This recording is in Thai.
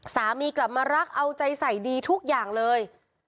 สามีกลับมารักเอาใจใส่ดีทุกอย่างเลย